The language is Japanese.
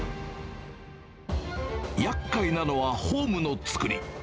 やっかいなのは、ホームの造り。